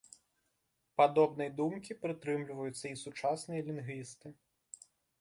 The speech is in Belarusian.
Падобнай думкі прытрымліваюцца і сучасныя лінгвісты.